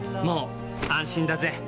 もう安心だぜ！